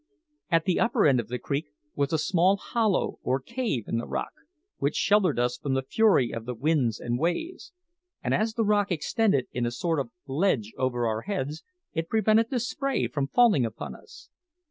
At the upper end of the creek was a small hollow or cave in the rock, which sheltered us from the fury of the winds and waves; and as the rock extended in a sort of ledge over our heads, it prevented the spray from falling upon us.